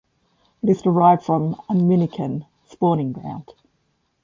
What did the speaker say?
It is derived from "aminikan" 'spawning ground'.